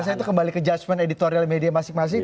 saya itu kembali ke judgement editorial media masing masing